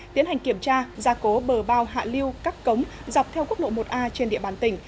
tiến hành kiểm tra gia cố bờ bao hạ liêu các cống dọc theo quốc lộ một a trên địa bàn tỉnh